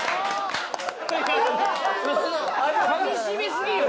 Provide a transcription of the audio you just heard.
かみしめすぎよ！